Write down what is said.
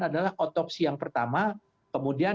adalah otopsi yang pertama kemudian